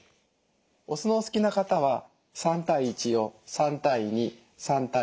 お酢のお好きな方は３対１を３対２３対３。